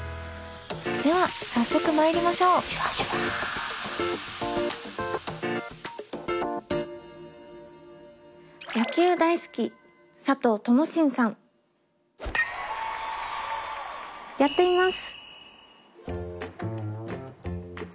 では早速まいりましょうやってみます。